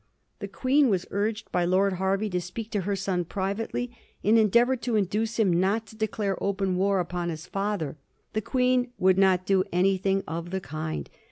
The Queen was urged by Lord Hervey to speak to her son privately, and endeavor to induce him not to declare open war upon his father. The Queen would not do anything of the kind.